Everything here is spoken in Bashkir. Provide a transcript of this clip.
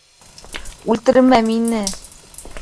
Үлтермә мине!